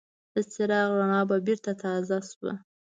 د څراغ رڼا به بېرته تازه شوه.